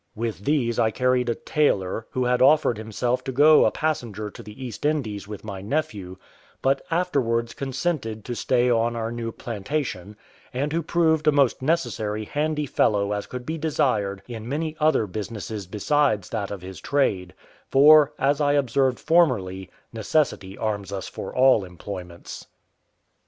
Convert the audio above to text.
With these I carried a tailor, who had offered himself to go a passenger to the East Indies with my nephew, but afterwards consented to stay on our new plantation, and who proved a most necessary handy fellow as could be desired in many other businesses besides that of his trade; for, as I observed formerly, necessity arms us for all employments.